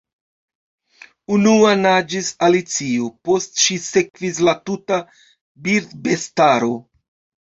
Unua naĝis Alicio; post ŝi sekvis la tuta birdbestaro.